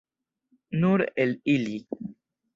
Nur el ili.